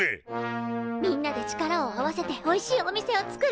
みんなで力を合わせておいしいお店を作る。